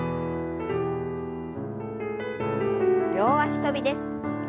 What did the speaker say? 両脚跳びです。